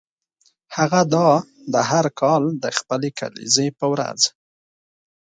هغه دا ده هر کال د خپلې کلیزې په ورځ.